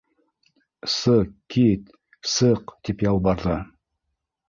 Сыҡ... кит... сыҡ, - тип ялбарҙы.